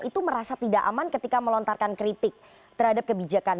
itu merasa tidak aman ketika melontarkan kritik terhadap kebijakan